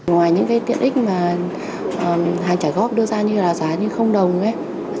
ngoài những cái tiện ích mà hàng trả góp đưa ra như là giá như đồng ấy